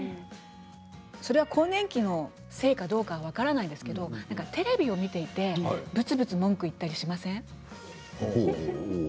それは更年期のせいかどうかは分からないですけどテレビを見ていてぶつぶつ文句を言ったりしません？